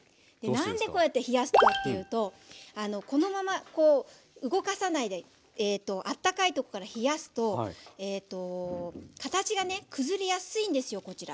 何でこうやって冷やすかというとこのままこう動かさないでえっとあったかいとこから冷やすとえっと形がね崩れやすいんですよこちら。